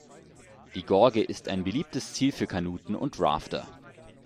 Die Gorge ist ein beliebtes Ziel für Kanuten und Rafter.